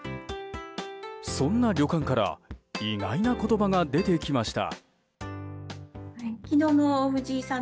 そんな旅館から意外な言葉が出てきました。